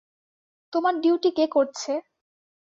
তোমার ডিউটি কে করছে?